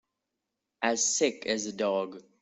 As sick as a dog.